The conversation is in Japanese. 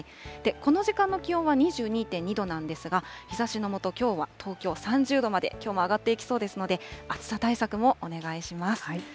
この時間の気温は２２．２度なんですが、日ざしの下、きょうは東京３０度まで上がっていきそうですので、暑さ対策もお願いします。